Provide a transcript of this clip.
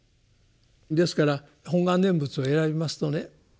ですから本願念仏をえらびますとね